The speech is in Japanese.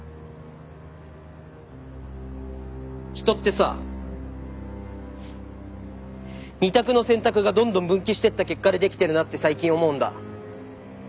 人ってさ２択の選択がどんどん分岐していった結果でできてるなって最近思うんだ。